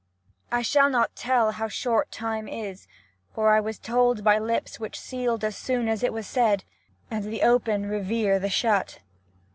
I shall not tell how short time is, for I was told by lips which sealed as soon as it was said, and the open revere the shut.